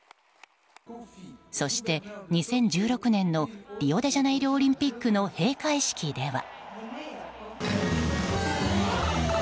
そして２０１６年のリオデジャネイロオリンピックの閉会式では。